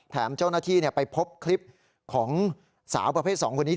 แถมเจ้าหน้าที่เนี่ยไปพบคลิปของสาวประเภทสองคนนี้